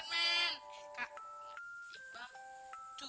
ih makanan men makanan men